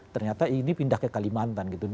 ternyata ini pindah ke kalimantan gitu